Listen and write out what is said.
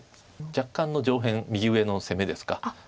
若干の上辺右上の攻めですか。